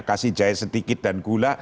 kasih jahe sedikit dan gula